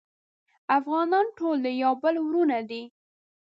افغانان ټول د یو بل وروڼه دی